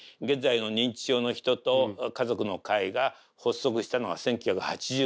現在の認知症の人と家族の会が発足したのが１９８０年。